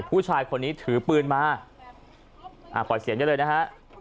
ผู้ชายคนนี้ถือปืนมาอ่าปล่อยเสียงได้เลยนะฮะ